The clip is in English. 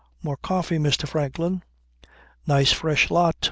"More coffee, Mr. Franklin? Nice fresh lot.